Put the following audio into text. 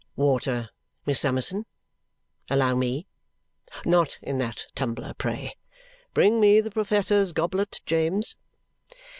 "Water, Miss Summerson? Allow me! Not in that tumbler, pray. Bring me the professor's goblet, James!"